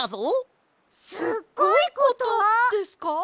すっごいことですか？